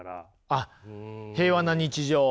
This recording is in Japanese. あっ平和な日常を。